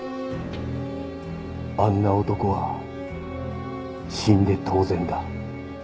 あんな男は死んで当然だ。